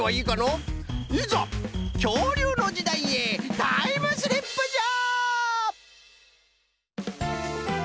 いざきょうりゅうのじだいへタイムスリップじゃ！